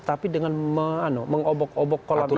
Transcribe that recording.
tapi dengan mengobok obok kolam ini